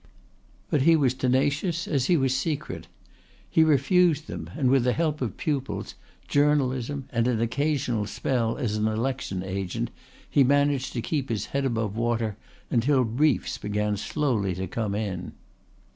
But he was tenacious as he was secret. He refused them, and with the help of pupils, journalism and an occasional spell as an election agent, he managed to keep his head above water until briefs began slowly to come in.